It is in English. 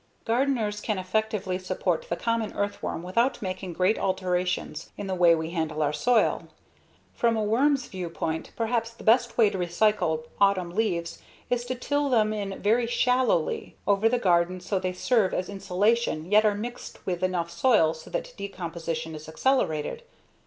Gardeners can effectively support the common earthworm without making great alterations in the way we handle our soil. From a worm's viewpoint, perhaps the best way to recycle autumn leaves is to till them in very shallowly over the garden so they serve as insulation yet are mixed with enough soil so that decomposition is accelerated.